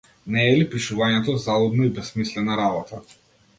Не е ли пишувањето залудна и бесмислена работа?